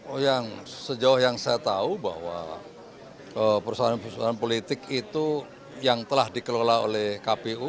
oh yang sejauh yang saya tahu bahwa persoalan persoalan politik itu yang telah dikelola oleh kpu